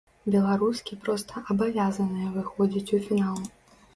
Беларускі проста абавязаныя выходзіць у фінал.